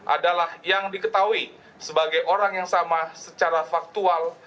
adalah yang diketahui sebagai orang yang sama secara faktual